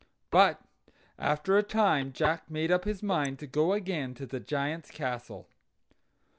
But after a time Jack made up his mind to go again to the Giant's castle.